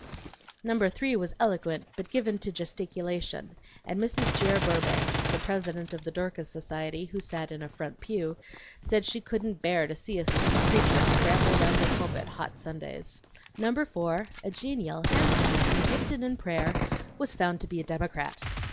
Number three was eloquent but given to gesticulation, and Mrs. Jere Burbank, the president of the Dorcas Society, who sat in a front pew, said she couldn't bear to see a preacher scramble round the pulpit hot Sundays. Number four, a genial, handsome man, gifted in prayer, was found to be a Democrat.